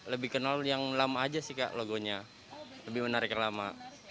lebih kenal yang lama aja sih kak logonya lebih menarik yang lama